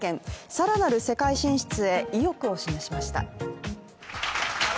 更なる世界進出へ意欲を示しました。